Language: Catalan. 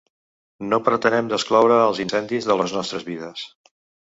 No pretenem d’excloure els incendis de les nostres vides.